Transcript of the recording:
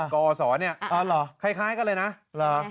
กอศเนี่ยคล้ายกันเลยนะเหรอ